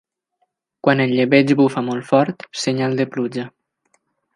Quan el llebeig bufa molt fort, senyal de pluja.